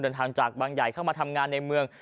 เดินทางจากบางใหญ่เข้ามาทำงานในเมือง